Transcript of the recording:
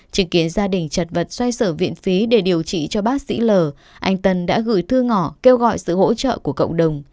chứng kiến gia đình chật vật xoay sở viện phí để điều trị cho bác sĩ l anh tân đã gửi thư ngỏ kêu gọi sự hỗ trợ của cộng đồng